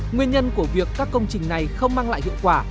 nguyên nhân của việc các công trình này không mang lại hiệu quả